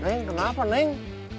neng kenapa neng